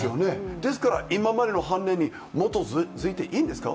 ですから今までの判例に基づいていいんですか